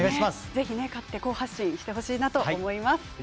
ぜひ勝って好発進してほしいなと思います。